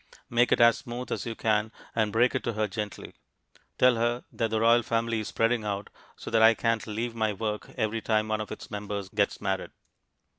Make it as smooth as you can and break it to her gently. Tell her that the royal family is spreading out so that I can't leave my work every time one of its members gets married.